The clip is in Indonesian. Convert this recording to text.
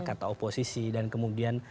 kata oposisi dan kemudian